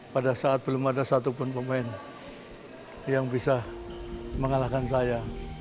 pada saat belum ada satupun pemain yang bisa mengalahkan saya